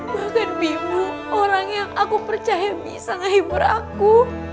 bahkan bimo orang yang aku percaya bisa ngehibur aku